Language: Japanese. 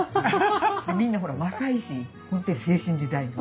みんなほら若いし本当に青春時代。